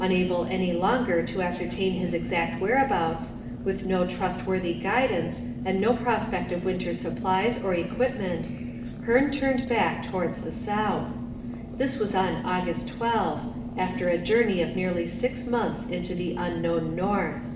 Unable any longer to ascertain his exact whereabouts, with no trustworthy guidance and no prospect of winter supplies or equipment, Hearne turned back towards the south. This was on August 12, after a journey of nearly six months into the unknown north.